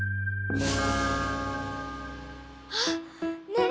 あっねん